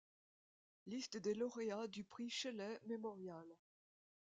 Liste des lauréats du prix Shelley Memorial.